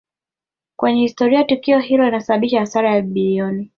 kwenye historia Tukio hilo lilisababisha hasara ya bilioni